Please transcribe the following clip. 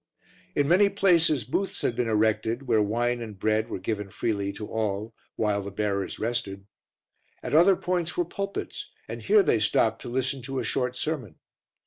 In many places booths had been erected, where wine and bread were given freely to all while the bearers rested. At other points were pulpits, and here they stopped to listen to a short sermon.